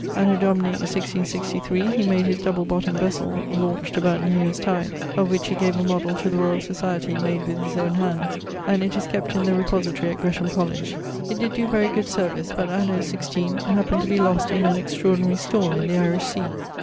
Anno Domini 1663 he made his double bottom'd vessell (launched about new yeere's tide), of which he gave a modell to the Royall Societie made with his owne hands, and it is kept in the repository at Gresham College. It did doe very good service, but anno 16 happned to be lost in an extraordinary storme in the Irish sea.